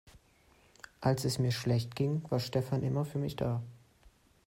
Als es mir schlecht ging, war Stefan immer für mich da.